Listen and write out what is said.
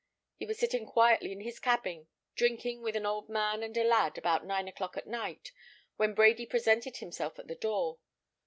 He was sitting quietly in his cabin, drinking with an old man and a lad, about nine o'clock at night, when Brady presented himself at the door.